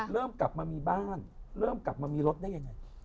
เริ่มกลับมามีบ้านเริ่มกลับมามีรถได้ยังไง